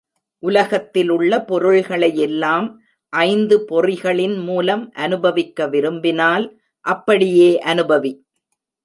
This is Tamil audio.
உலகத்திலுள்ள பொருள்களை எல்லாம் ஐந்து பொறிகளின் மூலம் அநுபவிக்க விரும்பினால், அப்படியே அநுபவி.